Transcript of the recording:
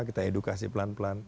kita edukasi pelan pelan